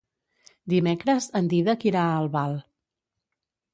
Dimecres en Dídac irà a Albal.